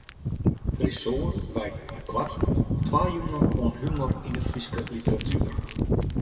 Tresoar wijt meikoarten twa jûnen oan humor yn de Fryske literatuer.